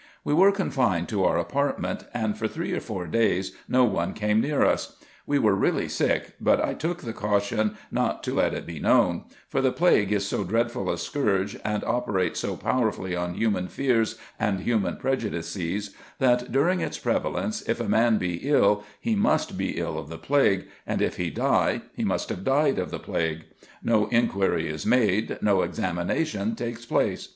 We were confined to our apartment, and for three or four days no one came near us. We were really sick, but I took the caution not to let it be known ; for the plague is so dreadful a scourge, and operates so powerfully on human fears and human prejudices, that, during its prevalence, if a man be ill, he must be ill of the plague, and if he die, he must have died of the plague : no inquiry is made, no examination takes place.